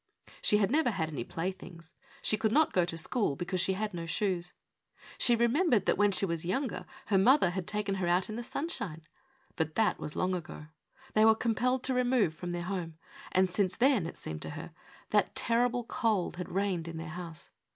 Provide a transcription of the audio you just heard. She had never had any playthings. She could not go to school because she had no shoes. She remembered that when she was j^ounger her mother had taken her out in the sunshine. But that was long ago. They were compelled to remove from their home; and, since then, it seemed to her, that terrible cold had reigned in their house.